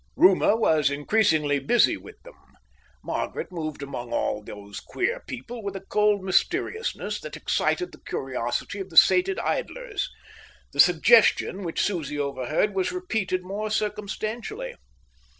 Rumour was increasingly busy with them. Margaret moved among all those queer people with a cold mysteriousness that excited the curiosity of the sated idlers. The suggestion which Susie overheard was repeated more circumstantially.